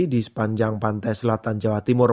di sepanjang pantai selatan jawa timur